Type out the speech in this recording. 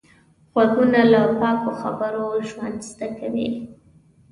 غوږونه له پاکو خبرو ژوند زده کوي